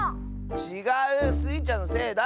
ちがう！スイちゃんのせいだ！